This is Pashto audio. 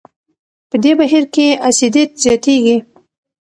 په دې بهیر کې اسیدیت زیاتېږي.